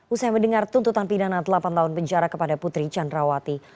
usai mendengar tuntutan pidana delapan tahun penjara kepada putri candrawati